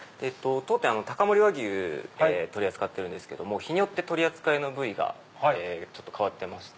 当店高森和牛取り扱ってるんですけども日によって取り扱いの部位がちょっと変わってまして。